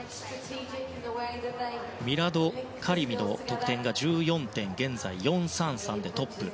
ミラド・カリミの得点が１４．４３３でトップ。